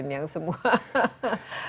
oke dibandingkan yang baby boomers